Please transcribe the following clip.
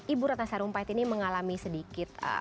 ibu ratna sarumpait ini mengalami sedikit